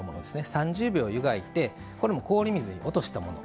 ３０秒、湯がいてこれも氷水に落としたもの